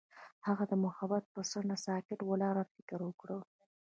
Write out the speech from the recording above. هغه د محبت پر څنډه ساکت ولاړ او فکر وکړ.